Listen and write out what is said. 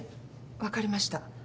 分かりました。